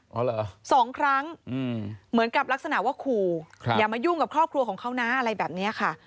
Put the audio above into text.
สองครั้งเหมือนกับลักษณะว่าขู่อย่ามายุ่งกับครอบครัวของเขานะอะไรแบบนี้ค่ะ